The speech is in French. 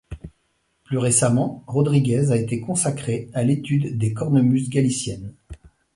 Plus récemment, Rodríguez a été consacrée à l'étude des cornemuse galicienne.